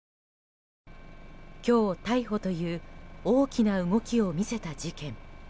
今日、逮捕という大きな動きを見せた事件。